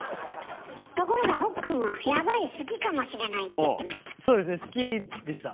ところがほっくんは「やばい好きかもしれない」って言ってました。